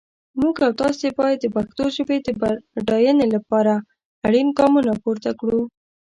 موږ او تاسي باید د پښتو ژپې د بډاینې لپاره اړین ګامونه پورته کړو.